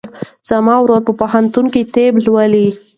زما ورور په پوهنتون کې طب لولي.